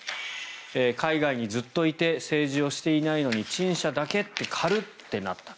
海外にずっといて政治をしていないのに陳謝だけって軽っ！ってなった。